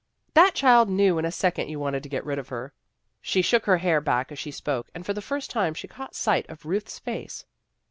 ' That child knew in a second you wanted to get rid of her." She shook her hair back as she spoke, and, for the first time, caught sight of Ruth's face.